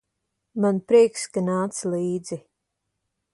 Man prieks, ka nāc līdzi.